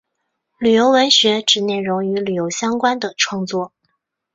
旅游文学指内容与旅游相关的创作。